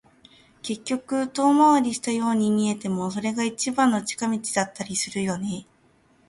結局、遠回りしたように見えても、それが一番の近道だったりするよね。